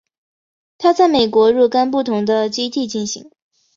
它在美国若干不同的基地进行。